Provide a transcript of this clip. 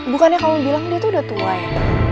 bukannya kamu bilang dia tuh udah tua